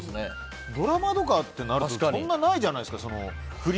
ドラマとかとなるとそんなにないじゃないですか。